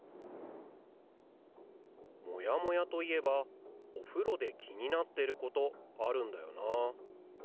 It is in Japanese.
モヤモヤといえばおふろで気になってることあるんだよな。